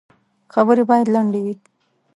خبري باید لنډي وي .